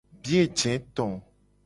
Biye je to.